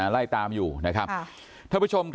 ไล่ตามอยู่นะครับท่านผู้ชมครับ